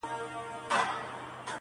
کله چې پاکستان ته د افغانانو اړتیا وه